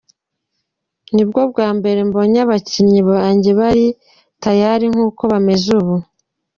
Ni bwo bwa mbere mbonye abakinnyi banjye bari tayari nk’ uko bameze ubu.